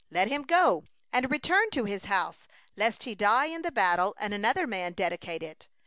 let him go and return to his house, lest he die in the battle, and another man dedicate it.